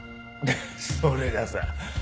それがさ。